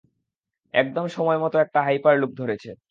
একদম সময়মতো একটা হাইপারলুপ ধরেছে।